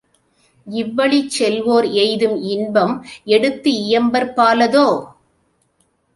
இவ்வழிச் செல்வோர் எய்தும் இன்பம் எடுத்தியம்பற்பாலதோ?